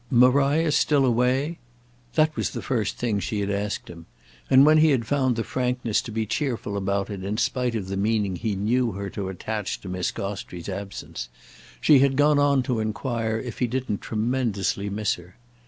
"Maria's still away?"—that was the first thing she had asked him; and when he had found the frankness to be cheerful about it in spite of the meaning he knew her to attach to Miss Gostrey's absence, she had gone on to enquire if he didn't tremendously miss her.